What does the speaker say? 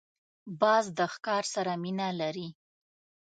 باز د ښکار سره مینه لري